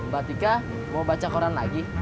bapak iqa mau baca koran lagi